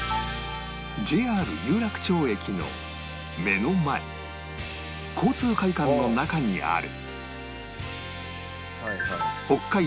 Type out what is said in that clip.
ＪＲ 有楽町駅の目の前交通会館の中にある